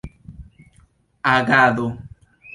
agado